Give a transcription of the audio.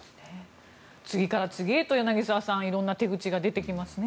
次から次へと、柳澤さん色んな手口が出てきますね。